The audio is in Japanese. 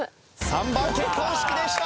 ３番結婚式でした！